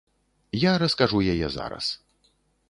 Я раскажу яе зараз.